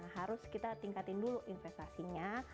harus kita tingkatin dulu investasinya